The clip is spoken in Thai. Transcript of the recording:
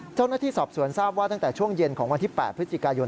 เจ้าหน้าที่สอบสวนทราบว่าตั้งแต่ช่วงเย็นของวันที่๘พฤศจิกายน